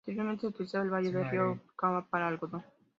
Anteriormente se utilizaba el valle del río Utcubamba para algodón.